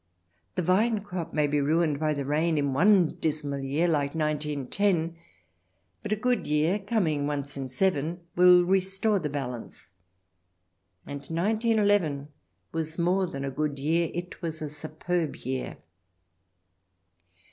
The vine crop may be ruined by the rain in one dismal year like 1910, but a good year coming once in seven will restore the balance. And 191 1 was more than a good year, it was a superb year.